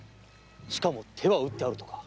しかも手は打ってあるとか。